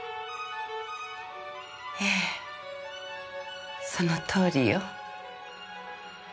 ええそのとおりよ。